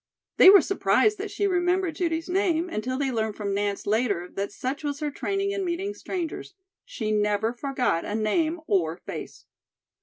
They were surprised that she remembered Judy's name until they learned from Nance later that such was her training in meeting strangers, she never forgot a name or face.